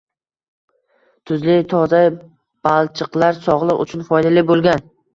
Tuzli toza balchiqlar sogʻliq uchun foydali boʻlgan